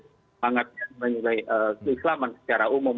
semangat yang menilai keislaman secara umum